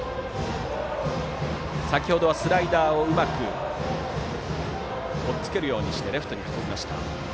先程はスライダーをうまくおっつけるようにレフトに運びました。